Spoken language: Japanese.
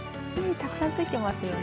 たくさん付いていますよね。